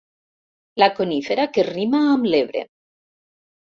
La conífera que rima amb l'Ebre.